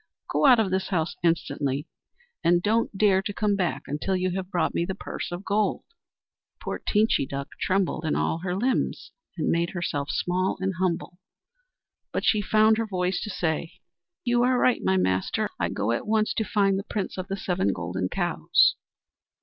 Go out of this house instantly, and don't dare to come back until you have brought me the purse of gold!" Poor Teenchy Duck trembled in all her limbs, and made herself small and humble; but she found her voice to say: "You are right, my master! I go at once to find the Prince of the Seven Golden Cows."